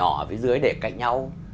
ở phía dưới để cạnh nhau